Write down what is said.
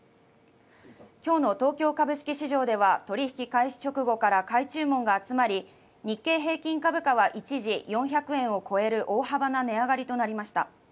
今日の東京株式市場では取引開始直後から買い注文が集まり、日経平均株価は一時４００円を超える大幅な値上がりとなりました。